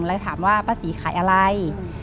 แล้วถามว่าป้าศรีขายอะไร